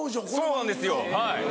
そうなんですよはい。